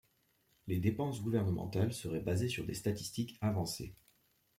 Les dépenses gouvernementales seraient basées sur des statistiques avancées.